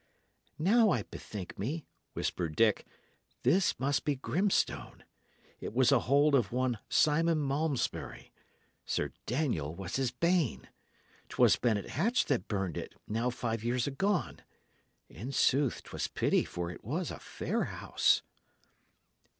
"Now I bethink me," whispered Dick, "this must be Grimstone. It was a hold of one Simon Malmesbury; Sir Daniel was his bane! 'Twas Bennet Hatch that burned it, now five years agone. In sooth, 'twas pity, for it was a fair house."